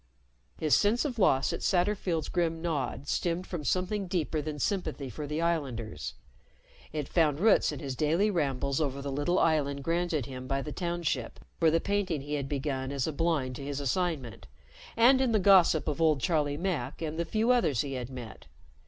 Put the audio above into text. His sense of loss at Satterfield's grim nod stemmed from something deeper than sympathy for the islanders. It found roots in his daily rambles over the little island granted him by the Township for the painting he had begun as a blind to his assignment, and in the gossip of old Charlie Mack and the few others he had met.